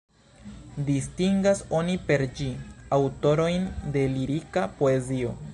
Distingas oni per ĝi aŭtorojn de lirika poezio.